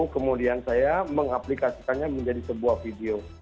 kemudian saya mengaplikasikannya menjadi sebuah video